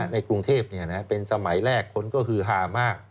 ในกรุงเทพเป็นสมัยแรกคนก็คือฮามาก